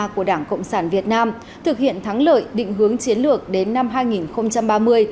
của đảng cộng sản việt nam thực hiện thắng lợi định hướng chiến lược đến năm hai nghìn ba mươi